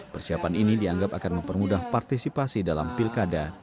persiapan ini dianggap akan mempermudah partisipasi dalam pilkada dua ribu tujuh belas